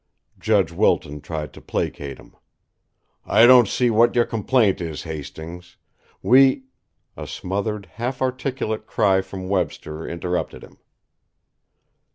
Judge Wilton tried to placate him: "I don't see what your complaint is, Hastings. We " A smothered, half articulate cry from Webster interrupted him.